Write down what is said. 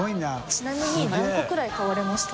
ちなみに何個くらい買われました？